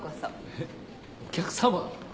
えっお客様？